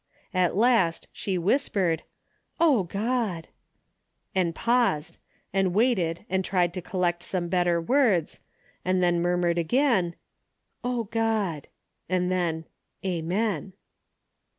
At last she whispered, " Oh God —" and paused, and waited and tried to collect some better words, and then murmured again, " Oh God —" and then —" Amen."